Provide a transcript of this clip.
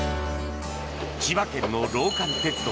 千葉県のローカル鉄道